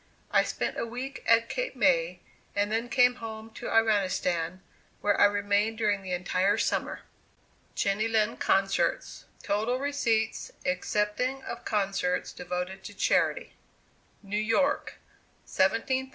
I spent a week at Cape May, and then came home to Iranistan, where I remained during the entire summer. JENNY LIND CONCERTS. TOTAL RECEIPTS, EXCEPTING OF CONCERTS DEVOTED TO CHARITY. New York, $17,864 05 No. 46.